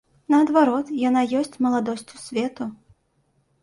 Наадварот, яна ёсць маладосцю свету.